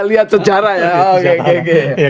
lihat secara ya